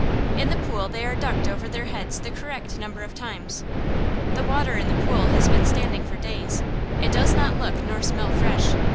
In the pool they are ducked over their heads the correct number of times. The water in the pool has been standing for days; it does not look nor smell fresh.